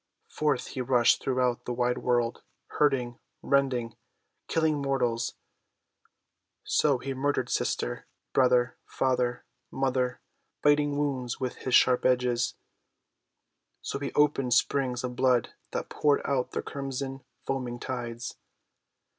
Forth he rushed throughout the wide world, hurting, rend ing, killing mortals. So he murdered sister, 294 THE WONDER GARDEN brother, father, mother, biting wounds with his sharp edges. So he opened springs of blood that poured out their crimson, foaming tides.